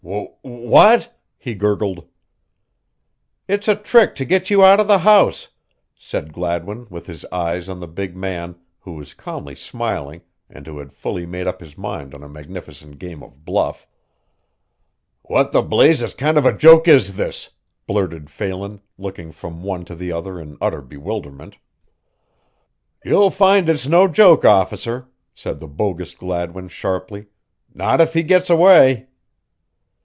"W w what?" he gurgled. "It's a trick to get you out of the house," said Gladwin with his eyes on the big man, who was calmly smiling and who had fully made up his mind on a magnificent game of bluff. "What the blazes kind of a joke is this?" blurted Phelan, looking from one to the other in utter bewilderment. "You'll find it's no joke, officer," said the bogus Gladwin sharply "not if he gets away."